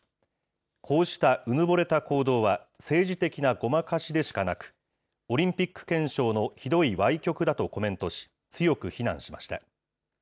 こうしたうぬぼれた行動は政治的なごまかしでしかなく、オリンピック憲章のひどいわい曲だとコメントし、強く非難しました。